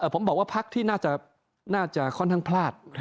ผมบอกว่าพักที่น่าจะค่อนข้างพลาด